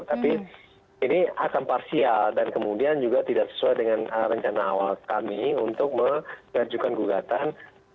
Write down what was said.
tapi ini akan parsial dan kemudian juga tidak sesuai dengan rencana awal kami untuk mengajukan gugatan